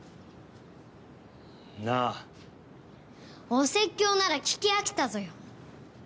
お説教なら聞き飽きたぞよ。